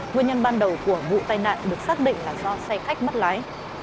nguyên nhân ban đầu của vụ tai nạn được xác định là do xe khách mất lái